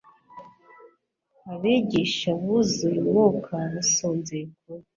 Abigisha buzuye umwuka, basonzeye ukuri,